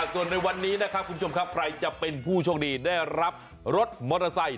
ส่วนในวันนี้นะครับคุณผู้ชมครับใครจะเป็นผู้โชคดีได้รับรถมอเตอร์ไซค์